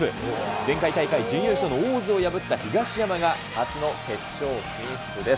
前回大会準優勝の大津を破った東山が初の決勝進出です。